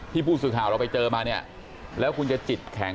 ผู้สื่อข่าวเราไปเจอมาเนี่ยแล้วคุณจะจิตแข็ง